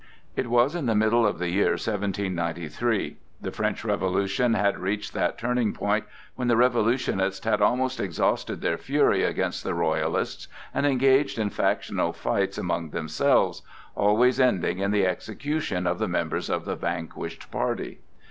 It was in the middle of the year 1793. The French Revolution had reached that turning point when the Revolutionists had almost exhausted their fury against the Royalists, and engaged in factional fights among themselves, always ending in the execution of the members of the vanquished party.